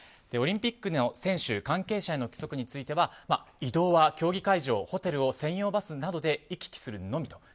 オリンピックの選手・関係者への規則については移動は競技会場ホテルを専用バスのみで行き来するのみと。